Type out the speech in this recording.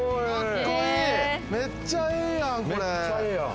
めっちゃええやんこれ！